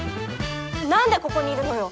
なんでここにいるのよ！